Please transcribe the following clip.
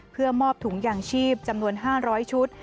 เพื่อมอบถุงยางชีพจำนวน๕๐๐ชุด